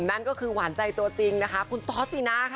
นั่นก็คือหวานใจตัวจริงนะคะคุณตอสซีนาค่ะ